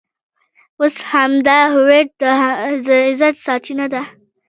اوس همدا هویت د عزت سرچینه ده.